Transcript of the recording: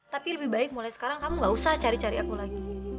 tapi lebih baik mulai sekarang kamu gak usah cari cari aku lagi